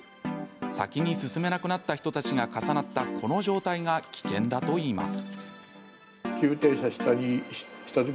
先に進めなくなった人たちが重なったこの状態が危険だといいます。